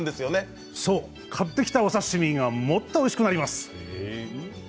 買ってきたお刺身がもっとおいしくなります。